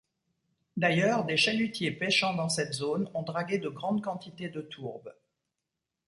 D'ailleurs des chalutiers pêchant dans cette zone ont dragué de grandes quantités de tourbe.